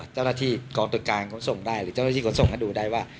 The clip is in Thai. เจ้าหน้าที่กองตรวจการขนส่งได้หรือเจ้าหน้าที่ขนส่งให้ดูได้ว่า